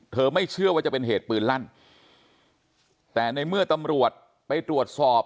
ไม่เชื่อว่าจะเป็นเหตุปืนลั่นแต่ในเมื่อตำรวจไปตรวจสอบ